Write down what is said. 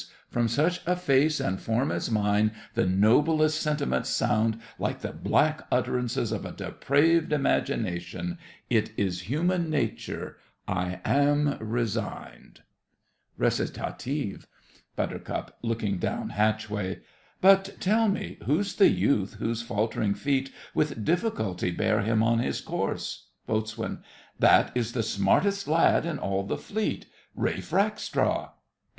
From such a face and form as mine the noblest sentiments sound like the black utterances of a depraved imagination It is human nature—I am resigned. RECITATIVE BUT. (looking down hatchway). But, tell me—who's the youth whose faltering feet With difficulty bear him on his course? BOAT. That is the smartest lad in all the fleet— Ralph Rackstraw! BUT.